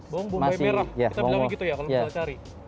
bawang bombay merah kita bilangnya gitu ya kalau misalnya cari